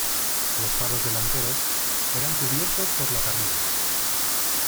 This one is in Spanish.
Los faros delanteros eran cubiertos por la parrilla.